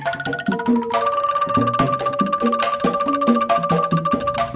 ini anak buah aa